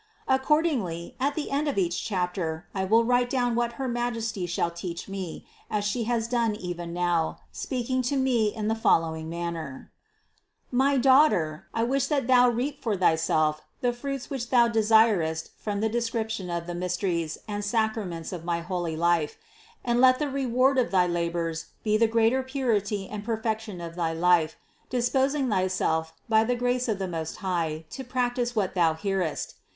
Accordingly at the end of each chapter I will write down what her Majesty shall teach me, as She has done even now, speaking to me in the following manner: 194 CITY OF GOD 239. My daughter, I wish that thou reap for thyself the fruits which thou desirest from the description of the mysteries and sacraments of my holy life; and let the reward of thy labors be the greater purity and per fection of thy life, disposing thyself by the grace of the Most High to practice what thou hearest.